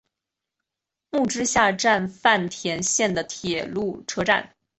木之下站饭田线的铁路车站。